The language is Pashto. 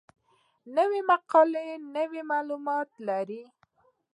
نوې مقاله نوي معلومات لري